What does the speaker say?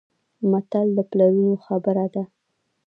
متل د پلرونو خبره ده.